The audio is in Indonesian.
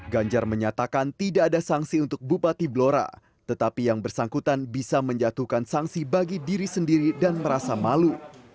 ganjar menyatakan tidak ada sanksi untuk bupati blora tetapi yang bersangkutan bisa menjatuhkan sanksi bagi diri sendiri dan merasa malu